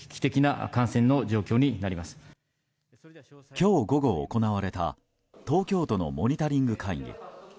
今日午後、行われた東京都のモニタリング会議。